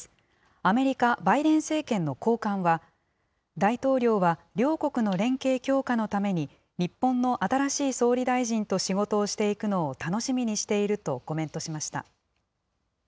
アメリカ、バイデン政権の高官は、大統領は両国の連携強化のために、日本の新しい総理大臣と仕事をしていくのを楽しみにしているとコメントしました。